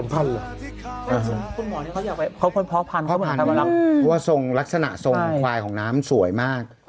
เพราะว่ารักษณะทรงของควายของน้ำสวยมาก